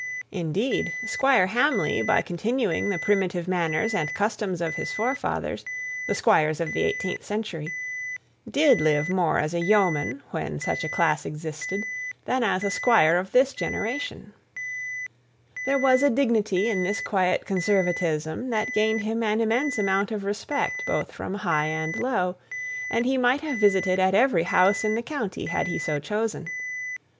Indeed Squire Hamley, by continuing the primitive manners and customs of his forefathers, the squires of the eighteenth century, did live more as a yeoman, when such a class existed, than as a squire of this generation. There was a dignity in this quiet conservatism that gained him an immense amount of respect both from high and low; and he might have visited at every house in the county had he so chosen.